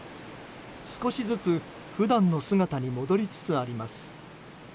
少しずつ普段の姿に戻りつつあります。